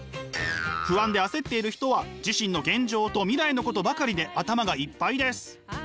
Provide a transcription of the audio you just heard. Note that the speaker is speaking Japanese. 不安で焦っている人は自身の現状と未来のことばかりで頭がいっぱいです。